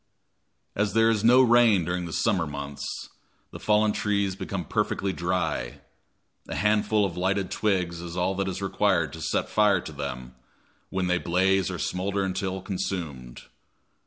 As there is no rain during the summer months, the fallen trees become perfectly dry; a handful of lighted twigs is all that is required to set fire to them, when they blaze or smoulder until consumed.